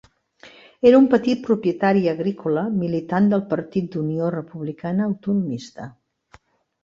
Era un petit propietari agrícola militant del Partit d'Unió Republicana Autonomista.